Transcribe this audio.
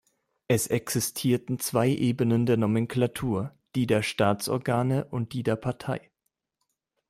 Es existierten zwei Ebenen der Nomenklatur: die der Staatsorgane und die der Partei.